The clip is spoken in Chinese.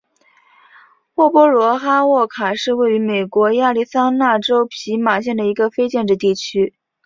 沃波罗哈沃卡是位于美国亚利桑那州皮马县的一个非建制地区。